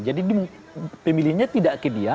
jadi pemilihnya tidak ke dia